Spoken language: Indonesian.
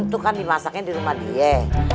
itu kan dimasaknya di rumah diet